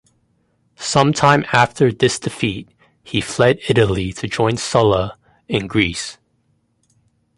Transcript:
Sometime after this defeat he fled Italy to join Sulla in Greece.